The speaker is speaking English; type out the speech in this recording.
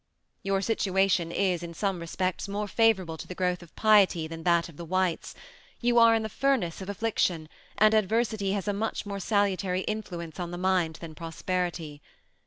Your situation is in some respects more favorable to the growth of piety than that of the whites, you are in the furnace of affliction, and adversity has a much more salutary influence on the mind than prosperity.